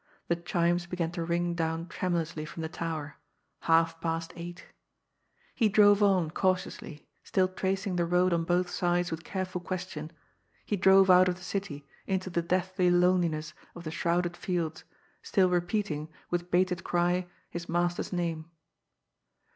The chimes began to ring down tremulously from the tower. Half past eight ! He drove on cautiously, still tracing the road on both sides with careful question ; he drove out of the city, into the deathly loneliness of the shrouded fields, still repeating, .with bated cry, his master's name.